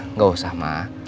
nggak usah ma